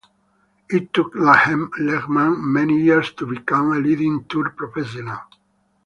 It took Lehman many years to become a leading tour professional.